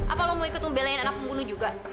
apa lo mau ikut membelain anak pembunuh juga